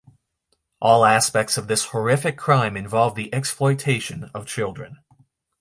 All aspects of this horrific crime involve the exploitation of children.